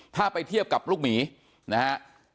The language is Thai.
ถ้าไปเทียบกับลูกหมีนะฮะ